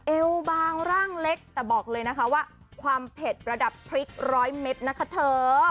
เอวบางร่างเล็กแต่บอกเลยนะคะว่าความเผ็ดระดับพริกร้อยเม็ดนะคะเธอ